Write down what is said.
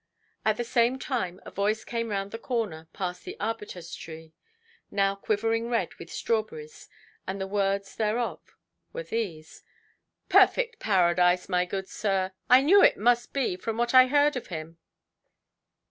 At the same time a voice came round the corner past the arbutus–tree, now quivering red with strawberries, and the words thereof were these: "Perfect Paradise, my good sir! I knew it must be, from what I heard of him.